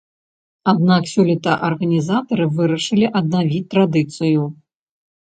Аднак сёлета арганізатары вырашылі аднавіць традыцыю.